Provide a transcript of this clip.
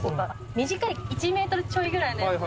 短い１ｍちょいぐらいのやつ。